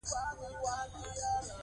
راځئ چې یو موټی شو.